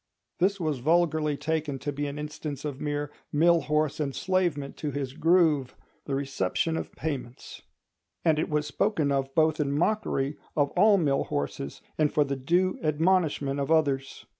This was vulgarly taken to be an instance of mere mill horse enslavement to his groove—the reception of payments; and it was spoken of both in mockery of all mill horses and for the due admonishment of others.